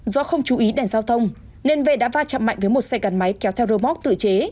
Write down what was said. do không chú ý đèn giao thông nên v đã va chạm mạnh với một xe gắn máy kéo theo rơ móc tự chế